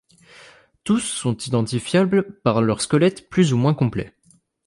Tous sont identifiables par leurs squelettes plus ou moins complets.